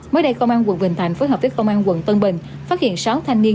mới đây công an quận bình thành phối hợp với công an quận tân bình phát hiện sáu thanh niên